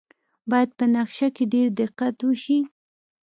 باید په نقشه کې ډیر دقت وشي